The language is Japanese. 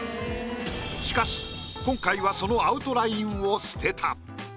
しかし今回はそのアウトラインを捨てた。